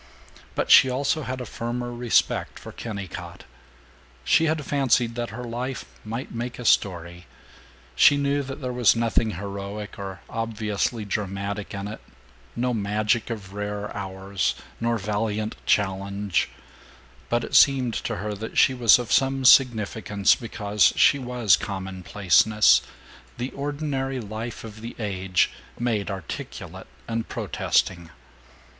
But she also had a firmer respect for Kennicott. She had fancied that her life might make a story. She knew that there was nothing heroic or obviously dramatic in it, no magic of rare hours, nor valiant challenge, but it seemed to her that she was of some significance because she was commonplaceness, the ordinary life of the age, made articulate and protesting.